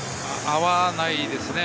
合わないですね。